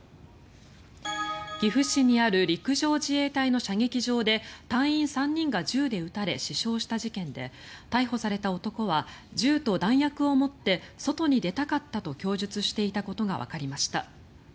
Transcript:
岐阜市にある陸上自衛隊の射撃場で隊員３人が銃で撃たれ死傷した事件で逮捕された男は銃と弾薬を持って外に出たかったと供述していたことがわかりました。